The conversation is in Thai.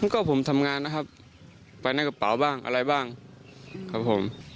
ก็ผมทำงานนะครับไปในกระเป๋าบ้างอะไรบ้างครับผม